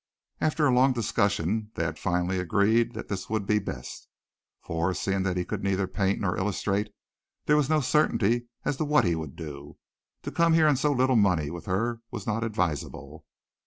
After a long discussion they had finally agreed that this would be best, for, seeing that he could neither paint nor illustrate, there was no certainty as to what he would do. To come here on so little money with her was not advisable.